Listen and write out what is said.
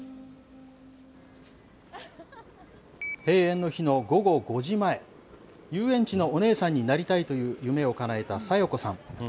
閉園の日の午後５時前、遊園地のお姉さんになりたいという夢をかなえた咲代子さん。